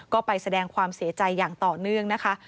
ก็ไปแสดงความเสียใจอย่างต่อเนื่องนะคะ